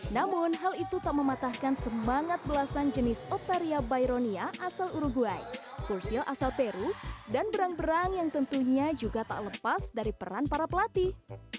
namun hal itu tak mematahkan semangat belasan jenis otaria byronia asal uruguay fursil asal peru dan berang berang yang tentunya juga tak lepas dari peran para pelatih